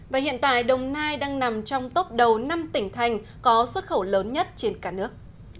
và hiện tại đồng nai đang nằm trong tốp đầu năm tỉnh thành có xuất khẩu lớn nhất trên cả nước